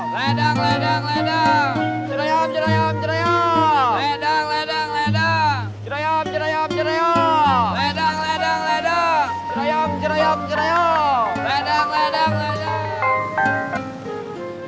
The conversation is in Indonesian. ledang ledang ledang ledang ledang ledang ledang ledang ledang ledang ledang ledang ledang